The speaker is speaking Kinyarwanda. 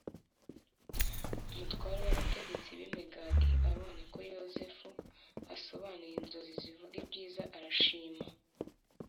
Umutware w’abatetsi b’imigati abonye ko Yozefu asobanuye inzozi zivuga ibyiza, arishima.